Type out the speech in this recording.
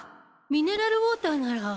ミネラルウォーターなら。